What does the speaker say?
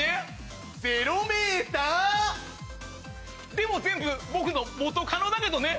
でも全部僕の元カノだけどね。